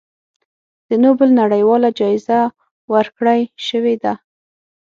د نوبل نړیواله جایزه ورکړی شوې ده.